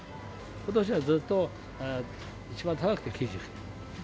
ことしはずっと一番高くて９９円。